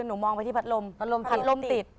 หนูมองไปที่ผัดลมผัดลมติด